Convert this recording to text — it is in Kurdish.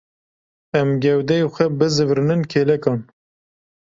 Em gewdeyê xwe bizîvirînin kêlekan.